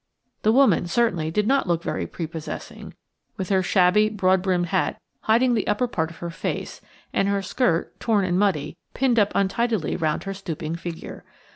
The woman certainly did not look very prepossessing, with her shabby, broad brimmed hat hiding the upper part of her face, and her skirt, torn and muddy, pinned up untidily round her stooping figure.